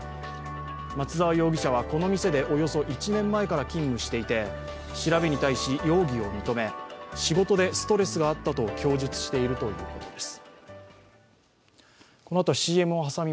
松沢容疑者はこの店でおよそ１年前から勤務していて調べに対し、容疑を認め仕事でストレスがあったと供述しているということです。